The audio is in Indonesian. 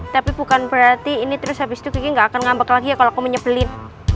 tapi bukan berarti ini terus habis itu kiki gak akan ngambek lagi ya kalau aku menyebelin